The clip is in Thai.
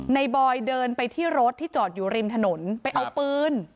บอยเดินไปที่รถที่จอดอยู่ริมถนนไปเอาปืน